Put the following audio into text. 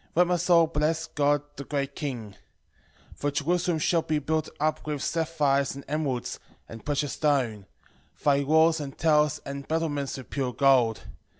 13:15 Let my soul bless God the great King. 13:16 For Jerusalem shall be built up with sapphires and emeralds, and precious stone: thy walls and towers and battlements with pure gold.